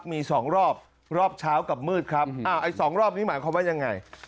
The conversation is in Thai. มีสองรอบรอบเช้ากับมืดครับไอ้สองรอบนี้หมายความว่ายังไง